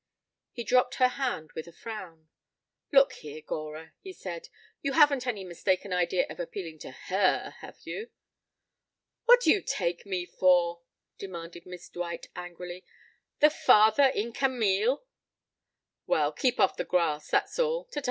He dropped her hand with a frown. "Look here, Gora," he said. "You haven't any mistaken idea of appealing to her, have you?" "What do you take me for?" demanded Miss Dwight angrily. "The father in Camille?" "Well, keep off the grass, that's all. Ta, ta."